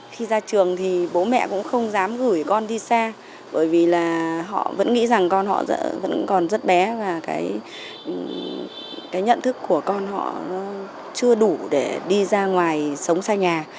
khi ra trường thì bố mẹ cũng không dám gửi con đi xa bởi vì là họ vẫn nghĩ rằng con họ vẫn còn rất bé và cái nhận thức của con họ chưa đủ để đi ra ngoài sống xa nhà